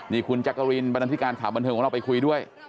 นี่คุณจักรินบรรณาธิการข่าวบันเทิงของเราไปคุยด้วย